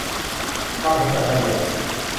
ความเห็นจากมะเดี่ยว